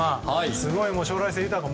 すごい将来性豊か。